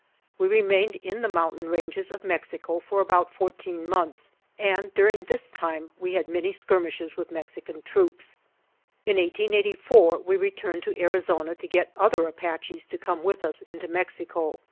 We remained in the mountain ranges of Mexico for about fourteen months, and dur ing this time we had many skirmishes with Mexican troops. In 1884 we returned to/|» Arizona to get other Apaches to come with us into Mexico.